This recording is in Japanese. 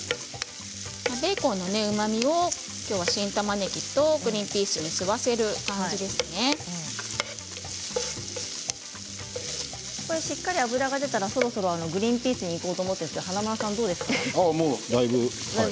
ベーコンのうまみを今日は新たまねぎとグリンピースにしっかり脂が出たらそろそろグリンピースにいこうと思うんですが華丸さんどうですか。